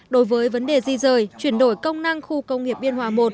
đối với vấn đề di rời chuyển đổi công năng khu công nghiệp biên hòa i